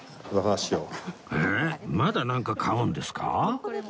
まだなんか買うんですか？